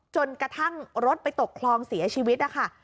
จนกระทั่งรถไปตกคลองเสียชีวิตนะคะ